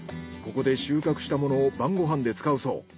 ここで収穫したものを晩ご飯で使うそう。